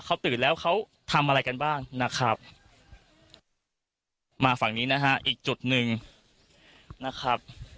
เขาตื่นแล้วเขาทำอะไรกันบ้างนะครับมาฝั่งนี้นะฮะอีกจุดหนึ่งนะครับ